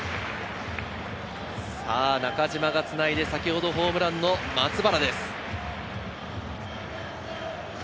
中島がつないで、先ほどホームランの松原です。